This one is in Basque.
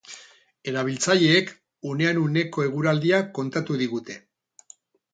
Erabiltzaileek unean uneko eguraldia kontatu digute.